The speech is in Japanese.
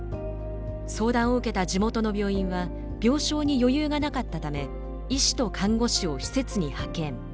相談を受けた地元の病院は病床に余裕がなかったため医師と看護師を施設に派遣。